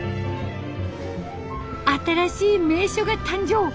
新しい名所が誕生。